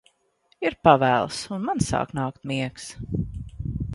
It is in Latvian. Ir pavēls, un man sāk nākt miegs.